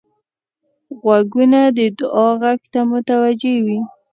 غوږونه د دعا غږ ته متوجه وي